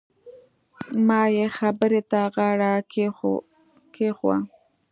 ما يې خبرې ته غاړه کېښووه.